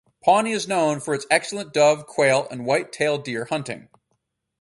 Pawnee is known for its excellent dove, quail, and white tail deer hunting.